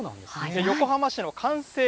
横浜市の完成